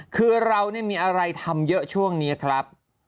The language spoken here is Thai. คือเรามีอะไรทำเยอะช่วงนี้ครับ